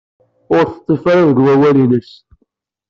Ur teḍḍif ara deg wawal-nnes.